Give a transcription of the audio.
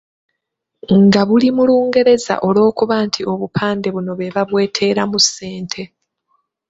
Nga buli mu Lungereza olw'okuba nti obupande buno be babweteeramu ssente.